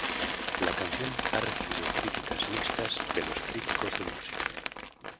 La canción ha recibido críticas mixtas de los críticos de música.